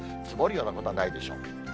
積もるようなことはないでしょう。